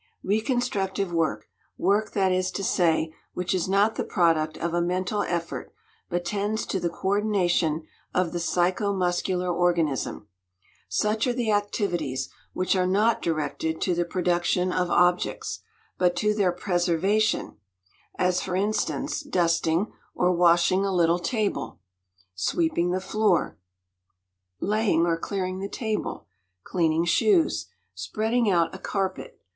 "Reconstructive" work work, that is to say, which is not the product of a "mental effort," but tends to the coordination of the psycho muscular organism. Such are the activities which are not directed to the production of objects, but to their preservation, as, for instance, dusting or washing a little table, sweeping the floor, laying or clearing the table, cleaning shoes, spreading out a carpet.